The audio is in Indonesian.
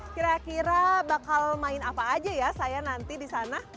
kira kira bakal main apa aja ya saya nanti di sana